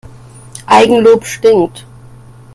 Eigenlob stinkt.